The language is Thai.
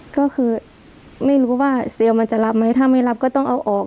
ก็คือไม่รู้ว่าเซลล์มันจะรับไหมถ้าไม่รับก็ต้องเอาออก